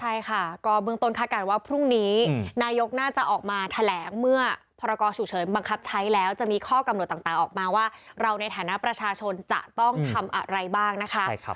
ใช่ค่ะก็เบื้องต้นคาดการณ์ว่าพรุ่งนี้นายกน่าจะออกมาแถลงเมื่อพรกรฉุกเฉินบังคับใช้แล้วจะมีข้อกำหนดต่างออกมาว่าเราในฐานะประชาชนจะต้องทำอะไรบ้างนะคะ